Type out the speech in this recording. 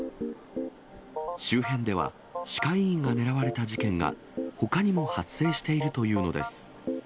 周辺では、歯科医院が狙われた事件がほかにも発生しているというのです。